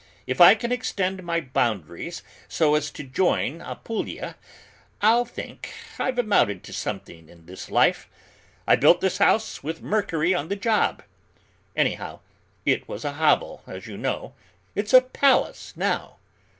If I can extend my boundaries so as to join Apulia, I'll think I've amounted to something in this life! I built this house with Mercury on the job, anyhow; it was a hovel, as you know, it's a palace now!